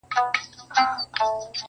ورځ به تېره په مزلونو چي به شپه سوه٫